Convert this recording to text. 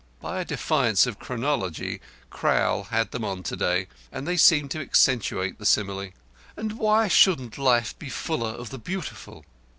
By a defiance of chronology Crowl had them on to day, and they seemed to accentuate the simile. "And why shouldn't life be fuller of the Beautiful?"